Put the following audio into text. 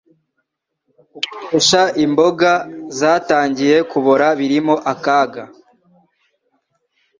[Gukoresha imboga zatangiye kubora birimo akaga